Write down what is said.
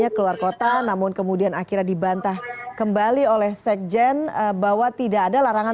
ketua dpp pdi perjuangan